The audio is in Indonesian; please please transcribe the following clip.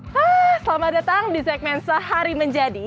halo selamat datang di segmen sehari menjadi